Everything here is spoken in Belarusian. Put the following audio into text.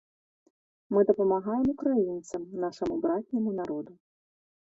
Мы дапамагаем украінцам, нашаму братняму народу.